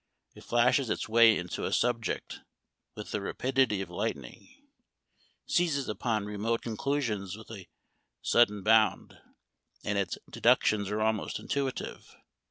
It flashes its way into a subject with the rapidity of lightning, seizes upon remote conclusions with a sudden bound, and its de ductions are almost intuitive.